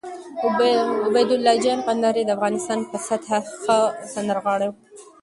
عبیدالله جان کندهاری د افغانستان په سطحه ښه سندرغاړی وو